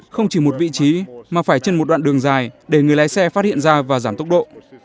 không chỉ một vị trí mà phải chân một đoạn đường dài để người lái xe phát hiện ra và giảm tốc độ